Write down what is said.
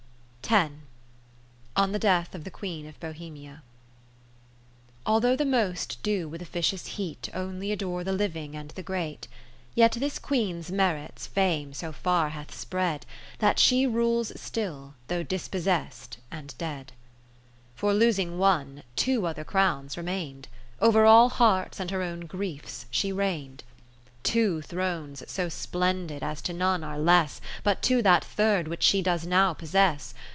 30 On the Death of the Queen of Bohemia Although the most do with offi cious heat Only adore the living and the great ; Yet this Queen's merits Fame so far hath spread. That she rules still, though dispcssest and dead. ( .=iM ) For losing one, two other Crowns remain'd ; Over all hearts and her own griefs she reign'd. Two Thrones so splendid, as to none are less But to that third which she does now possess.